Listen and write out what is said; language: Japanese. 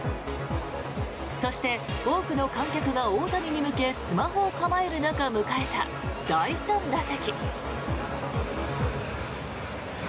そして多くの観客が大谷に向けスマホを構える中迎えた第３打席。